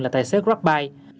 là tài xế grabbike